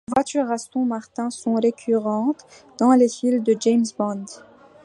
Les voitures Aston Martin sont récurrentes dans les films de James Bond.